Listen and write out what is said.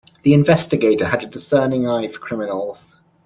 The investigator had a discerning eye for criminals.